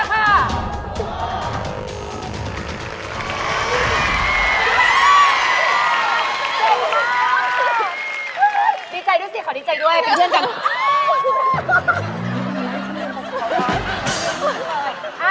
ดีใจด้วยสิขอดีใจด้วยเป็นเพื่อนกัน